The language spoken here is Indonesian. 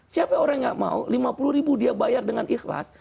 siapa orang yang gak mau lima puluh ribu dia bayar dengan ikhlas